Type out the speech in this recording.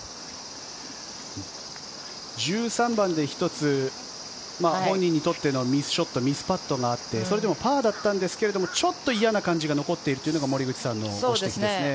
１３番で１つ本人にとってのミスショットミスパットがあってそれでもパーだったんですがちょっと嫌な感じが残っているというのが森口さんのご指摘ですね。